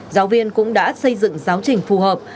giáo viên cũng đã xây dựng giáo trình phù hợp